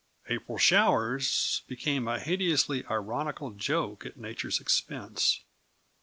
"April showers" became a hideously ironical joke at nature's expense.